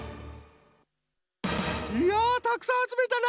いやたくさんあつめたな。